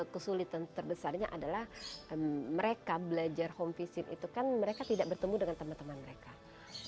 kesulitan terbesarnya adalah mereka belajar home visit itu kan mereka tidak bertemu dengan teman teman mereka